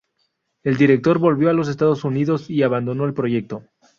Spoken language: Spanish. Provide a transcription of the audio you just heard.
El director volvió a los Estados Unidos y abandonó el proyecto.